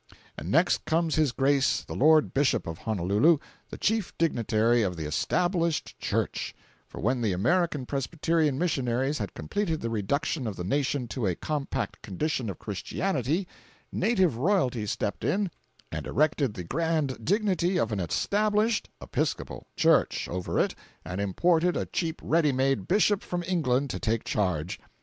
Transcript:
And next comes his Grace the Lord Bishop of Honolulu, the chief dignitary of the "Established Church"—for when the American Presbyterian missionaries had completed the reduction of the nation to a compact condition of Christianity, native royalty stepped in and erected the grand dignity of an "Established (Episcopal) Church" over it, and imported a cheap ready made Bishop from England to take charge.